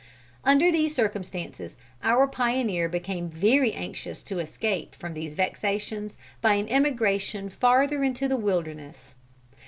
Under these circumstances our pioneer became very anxious to escape from these vexations by an emigration farther into the wilderness.